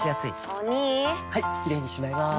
お兄はいキレイにしまいます！